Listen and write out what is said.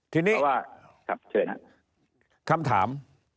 ทีนี้คำถาม